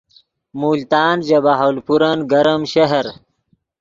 ملتان ژے بہاولپورن گرم شہر